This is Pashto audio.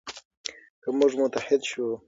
که موږ متحد شو.